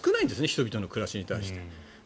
人々の暮らしに対して。